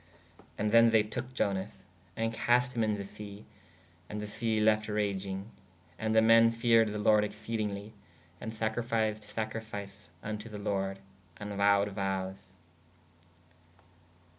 ¶ And thē they toke Ionas/ & cast hī in to [the] se/ & the se left ragynge. And [the] men feared the lorde excedingly: & sacrificed sacrififice vn to the lorde: and vowed vowes.